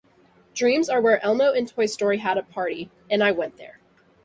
Dreams are where Elmo and Toy Story had a party, and I went there.